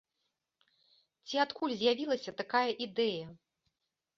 Ці адкуль з'явілася такая ідэя?